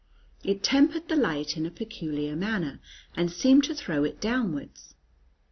It tempered the light in a peculiar manner, and seemed to throw it downwards.